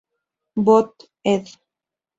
Bot., ed.